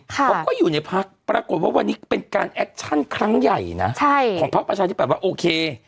พก็อยู่ในภาคปรากฏว่าวันนี้เป็นการคลั้งใหญ่ของภาคประชาณีปรับว่าโอเค